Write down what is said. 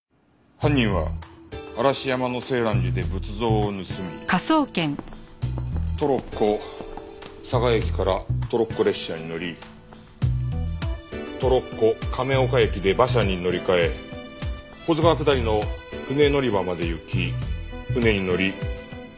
犯人は嵐山の静嵐寺で仏像を盗みトロッコ嵯峨駅からトロッコ列車に乗りトロッコ亀岡駅で馬車に乗り換え保津川下りの船乗り場まで行き船に乗り